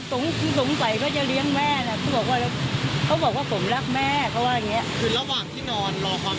สงสัยก็จะเลี้ยงแม่นะเขาบอกว่าผมรักแม่เขาบอกแบบเนี้ย